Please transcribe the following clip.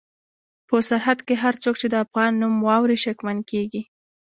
په سرحد کې هر څوک چې د افغان نوم واوري شکمن کېږي.